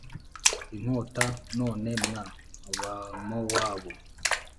inkota None mwa Bamowabu